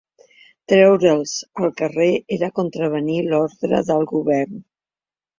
Treure'ls al carrer era contravenir l'ordre del Govern